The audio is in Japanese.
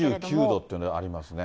２９度っていうのありますね。